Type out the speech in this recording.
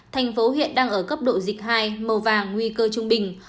thành phố hiện đang ở cấp độ dịch hai màu vàng nguy cơ trung bình